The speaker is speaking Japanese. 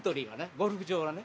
ゴルフ場はね。